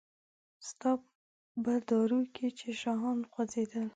ستا په دارو کې چې شاهان خوځیدل